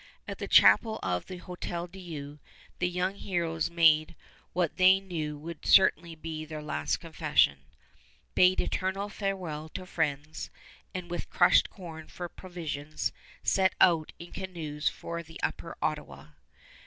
At the chapel of the Hôtel Dieu the young heroes made what they knew would certainly be their last confession, bade eternal farewell to friends, and with crushed corn for provisions set out in canoes for the upper Ottawa.